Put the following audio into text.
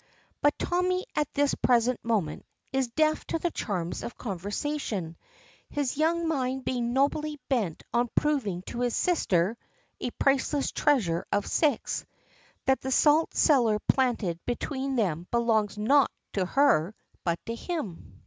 But Tommy, at this present moment, is deaf to the charms of conversation, his young mind being nobly bent on proving to his sister (a priceless treasure of six) that the salt cellar planted between them belongs not to her, but to him!